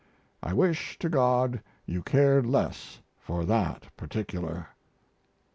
I wish to God you cared less for that particular.